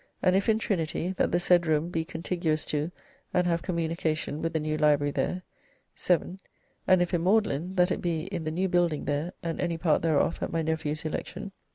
And if in Trinity, that the said roome be contiguous to, and have communication with, the new library there. "7. And if in Magdalen, that it be in the new building there, and any part thereof at my nephew's election.